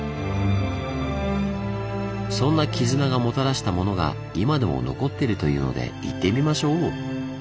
そんな絆がもたらしたものが今でも残ってるというので行ってみましょう！